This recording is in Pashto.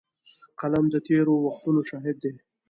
قلم د تېر وختونو شاهد دی